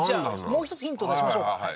もう一つヒントを出しましょうか